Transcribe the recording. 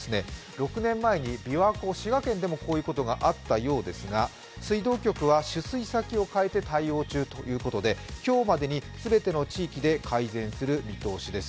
６年前にびわ湖、滋賀県でもこういったことがあったようですが水道局は取水先を変えて対応中ということで今日までに全ての地域で改善する見通しです。